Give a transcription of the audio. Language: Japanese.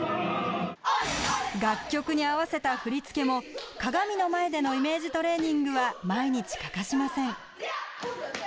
楽曲に合わせた振り付けも鏡の前でのイメージトレーニングは毎日欠かしません。